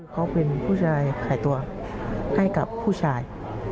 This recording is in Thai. เขาเป็นผู้ชายขายตัวให้กับผู้ชาย